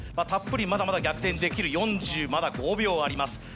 たっぷりまだまだ逆転できるまだ４５秒あります。